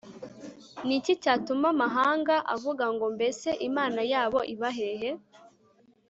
ni iki cyatuma amahanga avuga ngombese imana yabo iba hehe